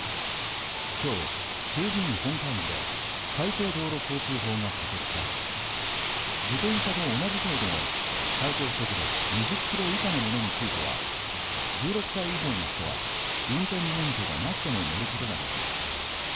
今日、衆議院本会議で改正道路交通法が可決され自転車と同じ程度の最高速度２０キロ以下のものについては１６歳以上の人は運転免許がなくても乗ることができます。